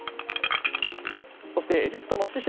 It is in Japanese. そしてエジプトのシシ